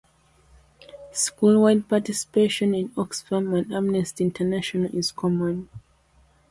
Schoolwide participation in Oxfam and Amnesty International is common.